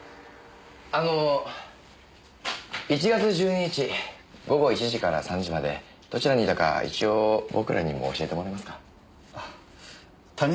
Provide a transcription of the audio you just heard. あの１月１２日午後１時から３時までどちらにいたか一応僕らにも教えてもらえますか？